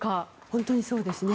本当にそうですね。